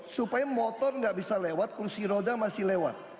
supaya motor nggak bisa lewat kursi roda masih lewat